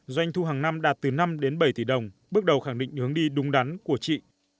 doanh thu hàng năm đạt từ năm đến bảy tỷ đồng bước đầu khẳng định hướng đi đúng đắn của chị